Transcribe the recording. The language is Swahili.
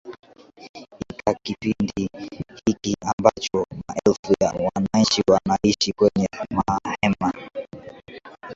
ika kipindi hiki ambacho maelfu ya wananchi wanaishi kwenye mahema